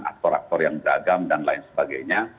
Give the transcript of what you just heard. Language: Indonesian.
aktor aktor yang beragam dan lain sebagainya